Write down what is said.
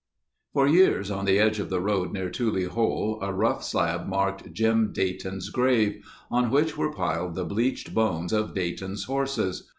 For years, on the edge of the road near Tule Hole, a rough slab marked Jim Dayton's grave, on which were piled the bleached bones of Dayton's horses.